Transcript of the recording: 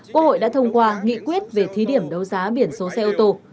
quốc hội đã thông qua nghị quyết về thí điểm đấu giá biển số xe ô tô